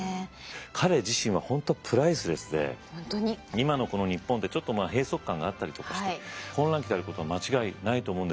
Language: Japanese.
今のこの日本ってちょっと閉塞感があったりとかして混乱期であることは間違いないと思うんですよね。